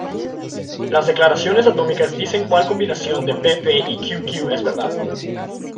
Las declaraciones atómicas dicen cual combinación de pp y qq es verdad.